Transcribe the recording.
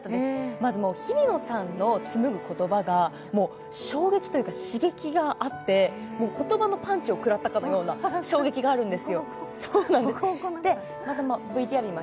まず、日比野さんのつむぐ言葉が衝撃というか刺激があって、言葉のパンチをくらったのような衝撃があるんです。